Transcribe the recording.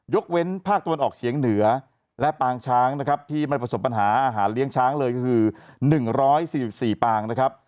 เว้นภาคตะวันออกเฉียงเหนือและปางช้างนะครับที่ไม่ผสมปัญหาอาหารเลี้ยงช้างเลยก็คือ๑๔๔ปางนะครับ